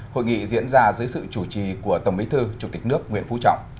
hội nghị diễn ra dưới sự chủ trì của tổng bí thư chủ tịch nước nguyễn phú trọng